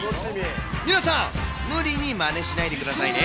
皆さん、無理にまねしないでくださいね。